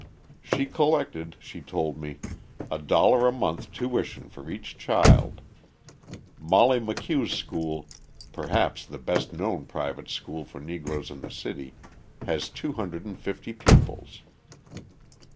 She collected, she told me, a dollar a month tuition for each child. Mollie McCue's school, perhaps the best known private school for Negroes in the city, has 250 pupils.